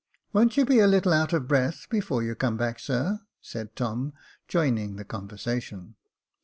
"Won't you be a little out of breath before you come back, sir ?" said Tom, joining the conversation.